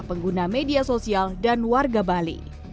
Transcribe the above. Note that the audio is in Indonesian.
pengguna media sosial dan warga bali